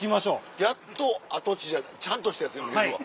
やっと跡地じゃなくちゃんとしたやつ見れるわ。